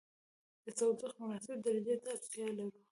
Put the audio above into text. د تودوخې مناسبې درجې ته اړتیا لرو.